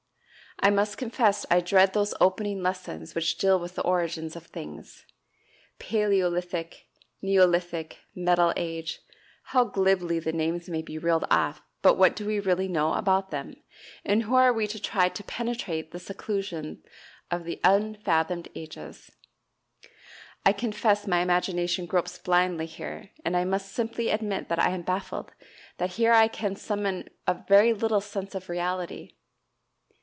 I must confess I dread those opening lessons which deal with the origins of things. "Paleolithic, neolithic, metal age" how glibly the names may be reeled off, but what do we really know about them, and who are we to try to penetrate the seclusion of those unfathomed ages! I confess my imagination gropes blindly here, and I must simply admit that I am baffled, that here I can summon up very little sense of reality.